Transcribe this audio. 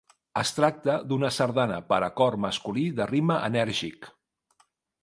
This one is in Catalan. Es tracta d'una sardana per a cor masculí de ritme enèrgic.